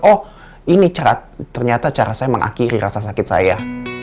oh ini cerat ternyata cara saya mengakhiri rasa sakit saya